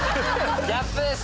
ギャップです！